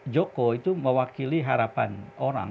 joko itu mewakili harapan orang